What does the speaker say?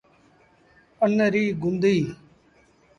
ان ريٚ گُنديٚ